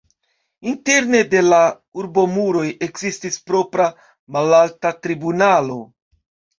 Interne de la urbomuroj ekzistis propra malalta tribunalo.